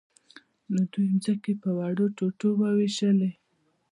نو دوی ځمکې په وړو ټوټو وویشلې.